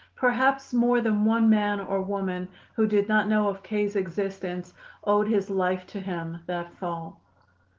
Perhaps more than one man or woman who did not know of K.'s existence owed his life to him that fall.